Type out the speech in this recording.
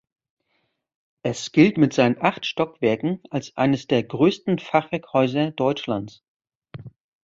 Es gilt mit seinen acht Stockwerken als eines der größten Fachwerkhäuser Deutschlands.